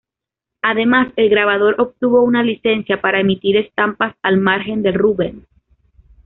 Además el grabador obtuvo una licencia para emitir estampas al margen de Rubens.